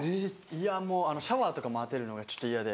いやもうシャワーとかも当てるのちょっと嫌で。